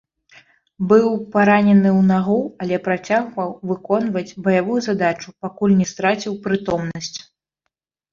Быў паранены ў нагу, але працягваў выконваць баявую задачу, пакуль не страціў прытомнасць.